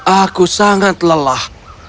aku sangat lelah